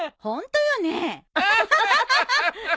ホントよね。